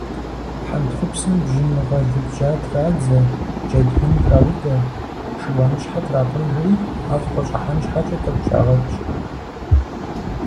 Хьэнтхъупсым бжьын гъэлыбжьа традзэ, джэдгын хаудэ, шыуаныщхьэр трапӀэжри ӀэфӀ къыщӀыхьэн щхьэкӀэ тӏэкӏу щагъэтщ.